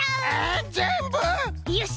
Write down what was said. よし！